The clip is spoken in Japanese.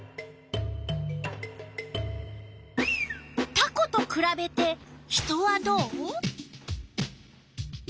タコとくらべて人はどう？